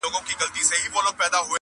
پر هندو او مسلمان یې سلطنت وو!!